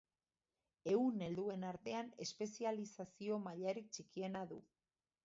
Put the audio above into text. Ehun helduen artean espezializazio mailarik txikiena du.